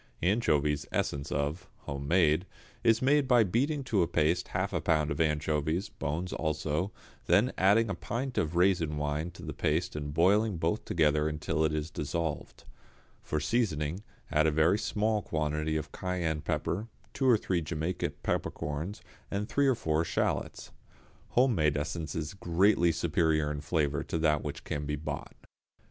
=Anchovies, Essence of= (home made), is made by beating to a paste half a pound of anchovies, bones also, then adding a pint of raisin wine to the paste and boiling both together until it is dissolved. For seasoning add a very small quantity of cayenne pepper, two or three Jamaica peppercorns and three or four shallots. Home made essence is greatly superior in flavour to that which can be bought.